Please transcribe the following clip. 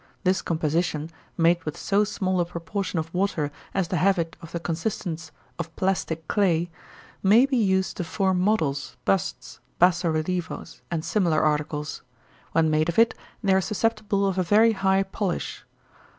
This composition, made with so small a proportion of water as to have it of the consistence of plastic clay, may be used to form models, busts, basso relievos, and similar articles. When made of it, they are susceptible of a very high polish.